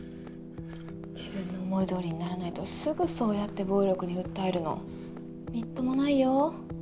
自分の思いどおりにならないとすぐそうやって暴力に訴えるのみっともないよ。